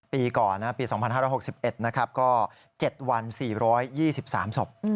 ปีก่อนปี๒๕๖๑นะครับก็๗วัน๔๒๓ศพ